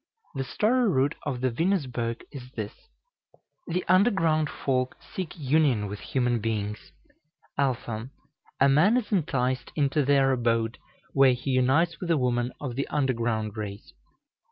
The story root of the Venusberg is this: The underground folk seek union with human beings. α. A man is enticed into their abode, where he unites with a woman of the underground race.